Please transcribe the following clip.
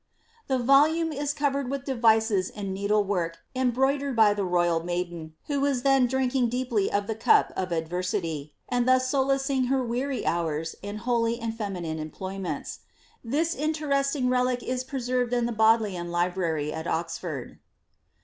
The volume is covered with devices in needle work, embroidered bjr the royal maiden, who was then drinking deeply of the cup of adverri ty, and thus solacing her weary hours in holy and feminine employ ments. This Interesting relic is preserved in the Bodleian library ai Oxford.